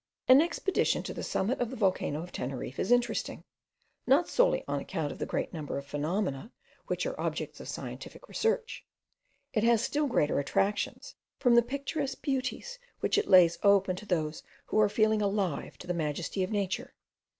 An expedition to the summit of the volcano of Teneriffe is interesting, not solely on account of the great number of phenomena which are the objects of scientific research; it has still greater attractions from the picturesque beauties which it lays open to those who are feelingly alive to the majesty of nature.